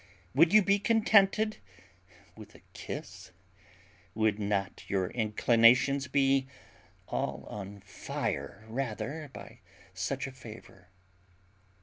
Would you be contented with a kiss? Would not your inclinations be all on fire rather by such a favour?"